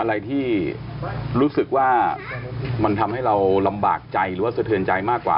อะไรที่รู้สึกว่ามันทำให้เราลำบากใจหรือว่าสะเทือนใจมากกว่า